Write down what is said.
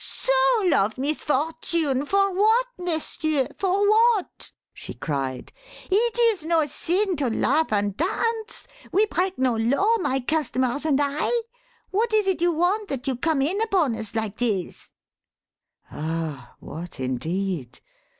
"Soul of misfortune! for what, m'sieur for what?" she cried. "It is no sin to laugh and dance. We break no law, my customers and I. What is it you want that you come in upon us like this?" Ah, what indeed?